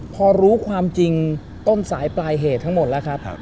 พอรู้ความจริงต้นสายปลายเหตุทั้งหมดแล้วครับ